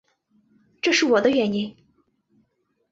这是我的原因